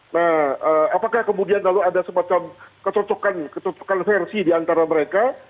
nah apakah kemudian lalu ada semacam kecocokan kecocokan versi diantara mereka